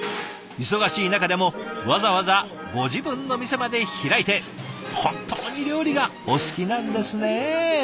忙しい中でもわざわざご自分の店まで開いて本当に料理がお好きなんですね。